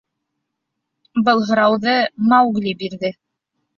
— Был һорауҙы Маугли бирҙе.